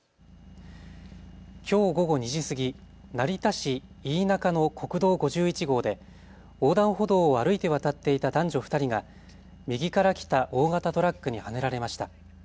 きょう午後２時過ぎ成田市飯仲の国道５１号で横断歩道を歩いて渡っていた男女２人が右から来た大型トラックにはねられました。